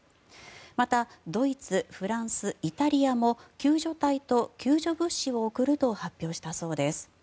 またドイツ、フランス、イタリアも救助隊と救助物資を送ると発表したそうです。